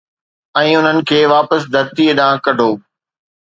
۽ انھن کي واپس ڌرتيءَ ڏانھن ڪڍو